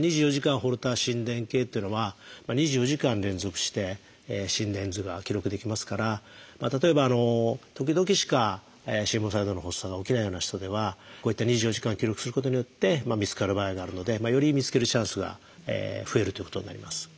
ホルター心電計っていうのは２４時間連続して心電図が記録できますから例えば時々しか心房細動の発作が起きないような人ではこういった２４時間記録することによって見つかる場合があるのでより見つけるチャンスが増えるということになります。